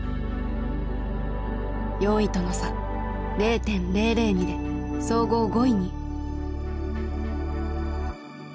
４位との差０．００２で総合５位に。